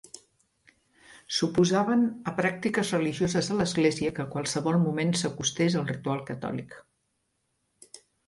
S'oposaven a pràctiques religioses a l'Església que a qualsevol moment s'acostés al ritual catòlic.